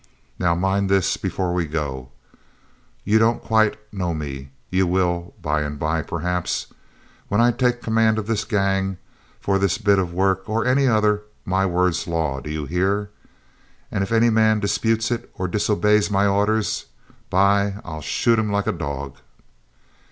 'Now mind this before we go: you don't quite know me; you will by and by, perhaps. When I take command of this gang, for this bit of work or any other, my word's law do you hear? And if any man disputes it or disobeys my orders, by , I'll shoot him like a dog.'